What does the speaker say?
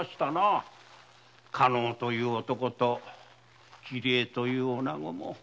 加納という男と桐江という女子も。